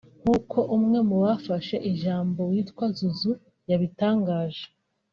nk’uko umwe mu bafashe ijambo witwa Zouzou yabitangaje